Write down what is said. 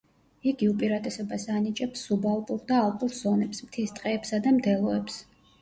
იგი უპირატესობას ანიჭებს სუბალპურ და ალპურ ზონებს, მთის ტყეებსა და მდელოებს.